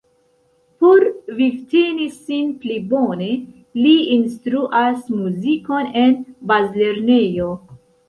Por vivteni sin pli bone, li instruas muzikon en bazlernejo.